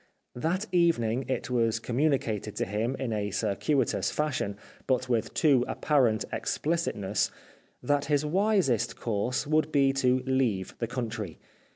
That evening it was communi cated to him in a circuitous fashion, but with too apparent explicitness, that his wisest course would be to leave the country.